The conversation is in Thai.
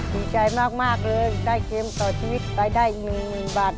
ดีใจมากมากเลยได้เกมต่อชีวิตรายได้หนึ่งหนึ่งบาท